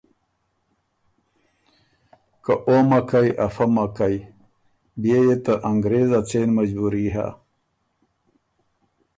که او مک کئ افۀ مک کئ۔ بيې يې ته انګرېز ا څېن مجبُوري هۀ